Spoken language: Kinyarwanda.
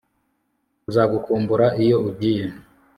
Tuzagukumbura iyo ugiye